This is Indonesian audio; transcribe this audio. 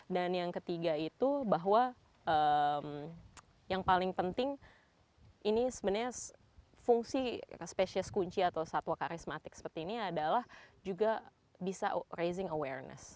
dan yang ketiga itu bahwa yang paling penting ini sebenarnya fungsi species kunci atau satwa karismatik seperti ini adalah juga bisa raising awareness